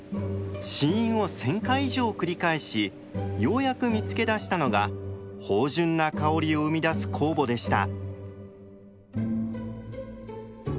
試飲を１，０００回以上繰り返しようやく見つけ出したのが芳醇な香りを生み出す酵母でした。